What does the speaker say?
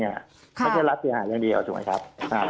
นี่นะใช่มะมันคือรัฐเสียหาสิ่งใหญ่ดีเอาถูกไหมครับ